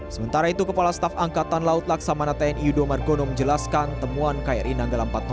sementara itu kepala staf angkatan laut laksamana tni yudo margono menjelaskan temuan kri nanggala empat ratus dua